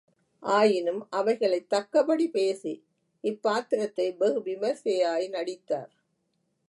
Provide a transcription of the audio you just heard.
ஆயினும் அவைகளைத் தக்கபடி பேசி இப் பாத்திரத்தை வெகு விமரிசையாய் நடித்தார்.